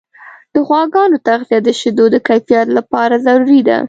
د غواګانو تغذیه د شیدو د کیفیت لپاره ضروري ده.